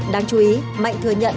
đáng chú ý mạnh thừa nhận